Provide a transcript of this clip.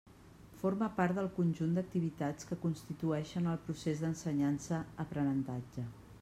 Forme part del conjunt d'activitats que constituïxen el procés d'ensenyança-aprenentatge.